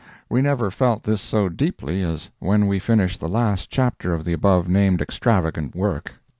We never felt this so deeply as when we finished the last chapter of the above named extravagant work.